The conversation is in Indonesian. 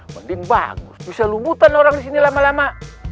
mending bagus bisa lumutan orang disini lama lama